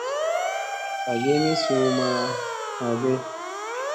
Agi ni suu ma ana age.